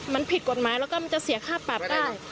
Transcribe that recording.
มันผิดกฎหมายแล้วก็มันจะเสียค่าปรับได้